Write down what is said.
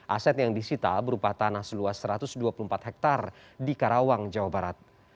aset yang disita berupa tanah seluas satu ratus dua puluh empat hektare di karawang jawa barat